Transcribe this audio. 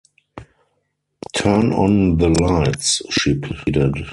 "Turn on the lights," she pleaded.